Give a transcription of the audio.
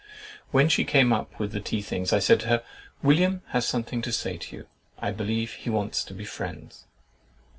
When she came up with the tea things, I said to her, "William has something to say to you—I believe he wants to be friends."